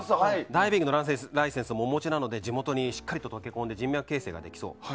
ダイビングのライセンスもお持ちなので地元にしっかりと溶け込んで人脈形成ができそうだと。